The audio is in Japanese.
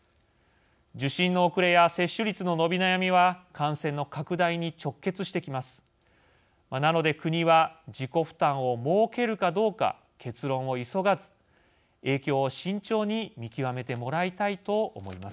受診の遅れや接種率の伸び悩みは感染の拡大に直結してきます。